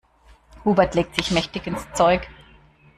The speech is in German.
Hubert legt sich mächtig ins Zeug.